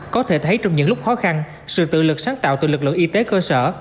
có thể thấy trong những lúc khó khăn sự tự lực sáng tạo từ lực lượng y tế cơ sở